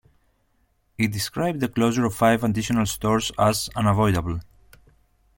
It described the closure of five additional stores as "unavoidable".